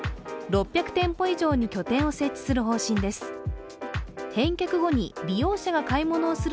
６００店舗以上に拠点を設置する方針です。